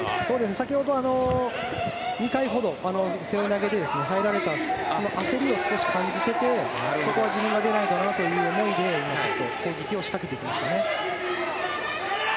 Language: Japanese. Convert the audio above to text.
先ほど２回ほど背負い投げで入られた、その焦りを少し感じていてここは自分も投げないとということで攻撃を仕掛けていきましたね。